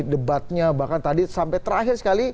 debatnya bahkan tadi sampai terakhir sekali